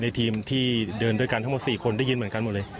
ทีมที่เดินด้วยกันทั้งหมด๔คนได้ยินเหมือนกันหมดเลย